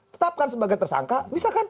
tetapkan sebagai tersangka bisa kan